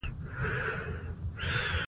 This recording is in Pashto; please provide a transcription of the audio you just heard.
افغانستان د مېوې په برخه کې نړیوال شهرت لري.